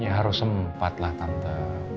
ya harus sempatlah tante